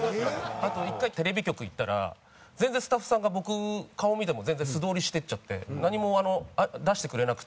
あと１回テレビ局行ったら全然スタッフさんが僕顔見ても素通りしていっちゃって何も出してくれなくて。